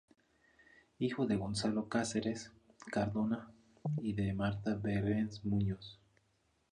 Hijo de Gonzalo Cáceres Cardona y de Marta Behrens Muñoz.